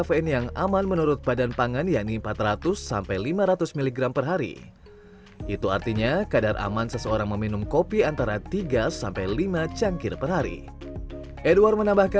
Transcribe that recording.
serta asam lambung dan sakit pada tubuh